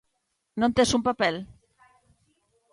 Non tes un papel.